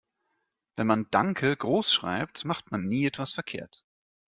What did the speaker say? Wenn man "Danke" groß schreibt, macht man nie etwas verkehrt.